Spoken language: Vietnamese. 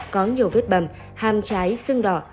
có nhiều vết bầm ham trái xương đỏ